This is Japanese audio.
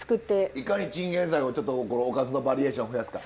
いかにチンゲンサイをおかずのバリエーション増やすか。